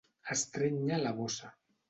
Estrènyer la bossa.